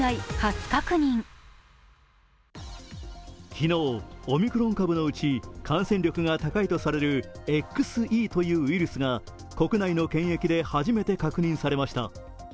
昨日、オミクロン株のうち感染力が高いとされるＸＥというウイルスが国内の検疫で初めて確認されました。